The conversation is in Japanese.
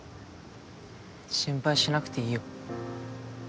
心配しなくていいよ。